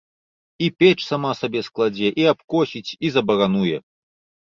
І печ сама сабе складзе, і абкосіць, і забарануе.